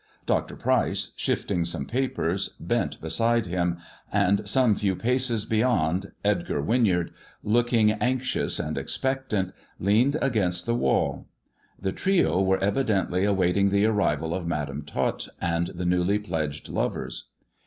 Dr. Pryce, shifting some papers. THE dwarf's chamber 153 bent beside him, and some few paces beyond, Edgar Win yard, looking anxious and expectant, leaned against the wall. The trio were evidently awaiting the arrival of Madam Tot and the newly pledged lovers.